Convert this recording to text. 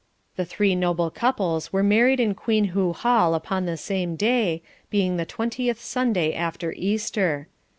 The three noble couples were married in Queenhoo Hall upon the same day, being the twentieth Sunday after Easter.